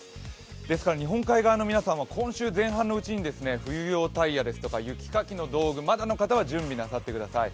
ですから日本海側の皆さんは今週前半のうちに冬用タイヤですとか、雪かきの道具まだの方は準備なさってください。